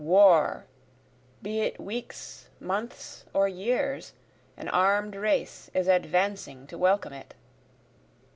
War! be it weeks, months, or years, an arm'd race is advancing to welcome it.